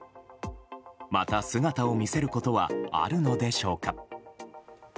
また姿を見せることはあるのでしょうか。